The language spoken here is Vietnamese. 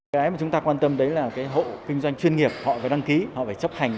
cái mà chúng ta quan tâm đấy là cái hộ kinh doanh chuyên nghiệp họ phải đăng ký họ phải chấp hành